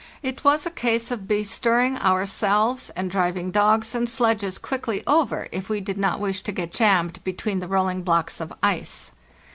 It was a case of bestirring ourselves and driving dogs and _ sledges quickly over if we did not wish to get jammed between the rolling blocks of ice.